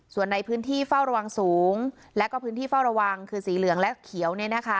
ส่วนในพื้นที่เฝ้าระวังสูงและก็พื้นที่เฝ้าระวังคือสีเหลืองและเขียว